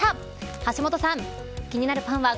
橋下さん